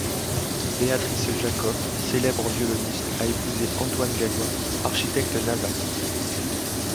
Béatrice Jacob, célèbre violoniste, a épousé Antoine Gallois, architecte naval.